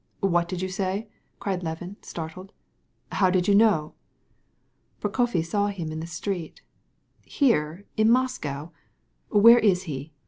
"What did you say?" Levin cried with horror. "How do you know?" "Prokofy saw him in the street." "Here in Moscow? Where is he?